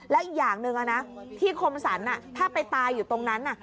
แล้วอีกอย่างหนึ่งที่คมสรรถ้าไปตายอยู่ตรงนั้น